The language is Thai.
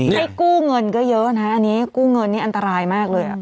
ให้กู้เงินก็เยอะนะอันนี้กู้เงินนี่อันตรายมากเลย